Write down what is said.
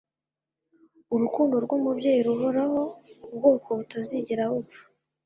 urukundo rwumubyeyi ruhoraho, ubwoko butazigera bupfa